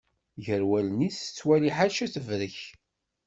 Ger wallen-is tettwali ḥala tebrek.